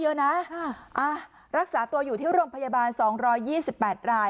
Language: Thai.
เยอะนะรักษาตัวอยู่ที่โรงพยาบาล๒๒๘ราย